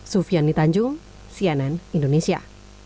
sufian nitanjung cnn indonesia